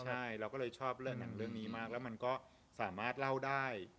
ใช่เราก็เลยชอบเรื่องหนังเรื่องนี้มากแล้วมันก็สามารถเล่าได้